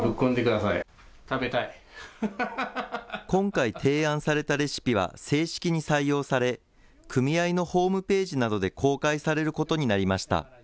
今回、提案されたレシピは正式に採用され、組合のホームページなどで公開されることになりました。